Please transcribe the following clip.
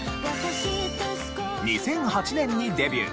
２００８年にデビュー。